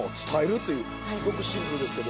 すごくシンプルですけど。